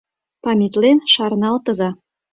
Паметлен шарналтыза.